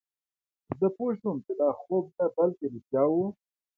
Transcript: زه پوه شوم چې دا خوب نه بلکې رښتیا وه